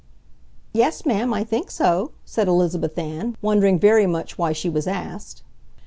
"Yes, ma'am, I think so," said Elizabeth Ann, wondering very much why she was asked.